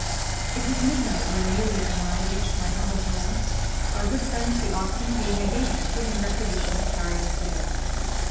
It was midnight when Emilia and I reached my humble home; our good friends the oxen being again put in requisition to carry us there.